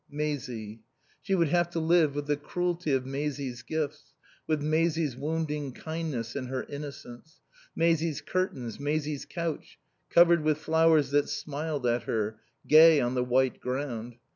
Maisie. She would have to live with the cruelty of Maisie's gifts, with Maisie's wounding kindness and her innocence. Maisie's curtains, Maisie's couch, covered with flowers that smiled at her, gay on the white ground.